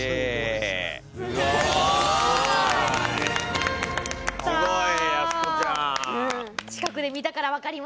すごい。